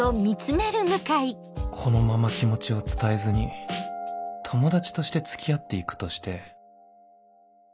このまま気持ちを伝えずに友達として付き合っていくとして